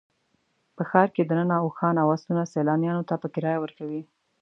په ښار کې دننه اوښان او اسونه سیلانیانو ته په کرایه ورکوي.